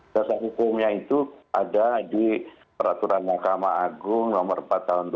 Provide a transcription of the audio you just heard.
dasar hukumnya itu ada di peraturan mahkamah agung nomor empat tahun dua ribu dua